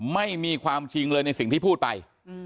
ไม่มีความจริงเลยในสิ่งที่พูดไป